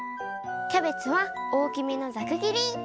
キャベツはおおきめのざくぎり。